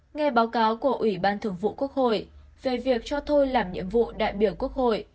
nghe báo cáo của ủy ban thường vụ quốc hội về việc cho thôi làm nhiệm vụ đại biểu quốc hội